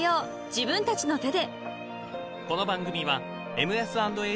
自分たちの手で］